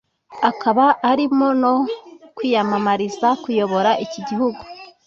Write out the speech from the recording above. akaba arimo no kwiyamamariza kuyobora iki gihugu